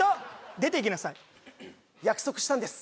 出ていきなさい約束したんです